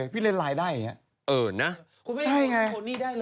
พี่เล่นไลน์ได้อย่างเนี้ย